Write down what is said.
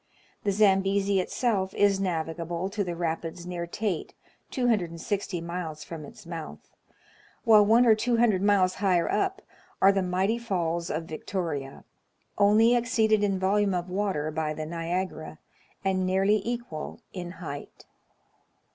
The Zambezi itself is navigable to the rapids near Tete, 260 miles from its mouth ; while one or two hundred miles higher up are the mighty falls of Victoria, only exceeded in volume of water by the Niagara, and nearly equal in height.